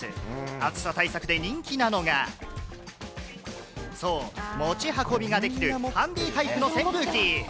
暑さ対策で人気なのが、そう、持ち運びができるハンディタイプの扇風機。